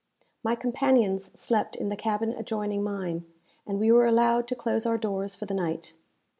My companions slept in the cabin adjoining mine, and we were allowed to close our doors for the night.